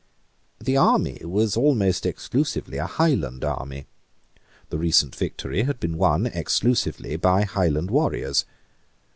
The army was almost exclusively a Highland army. The recent victory had been won exclusively by Highland warriors.